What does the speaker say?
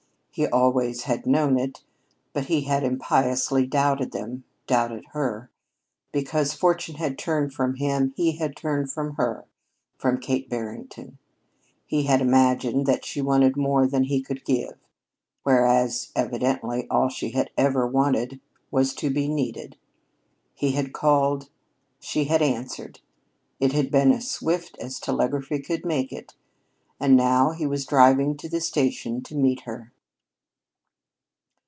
He always had known it, but he had impiously doubted them doubted Her. Because fortune had turned from him, he had turned from Her from Kate Barrington. He had imagined that she wanted more than he could give; whereas, evidently, all she ever had wanted was to be needed. He had called. She had answered. It had been as swift as telegraphy could make it. And now he was driving to the station to meet her.